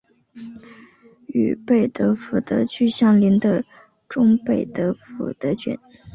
与贝德福德区相邻的中贝德福德郡。